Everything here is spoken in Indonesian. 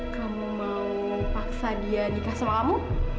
kamu mau paksa dia nikah sama kamu